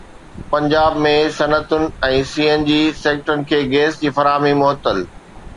پنجاب ۾ صنعتن ۽ C N G سيڪٽرن کي گيس جي فراهمي معطل